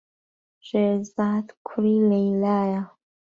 شێرزاد کوڕی لەیلایە.